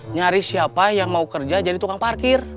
nyari siapa yang mau kerja jadi tukang parkir